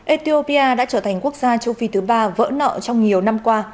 ethiopia đã trở thành quốc gia châu phi thứ ba vỡ nợ trong nhiều năm qua